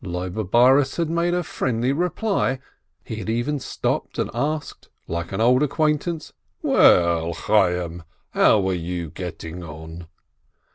Loibe Bares had made a friendly reply, he had even stopped and asked, like an old acquaintance, "Well, Chayyim, and how are you getting on